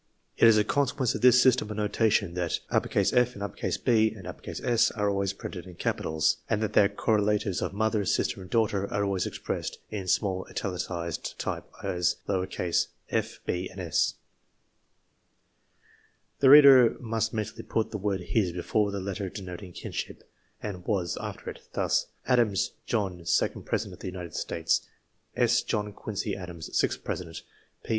It is a consequence of this system of notation, that F. and B. and S. are always printed in capitals, and that their correlatives for mother, sister, and daughter are always expressed in small italicised type, as/., b., and s. The reader must mentally put the word his before the letter denoting kinship, and was after it. Thus : Adams, John ; second President of the United States. S. John Quincey Adams, sixth President.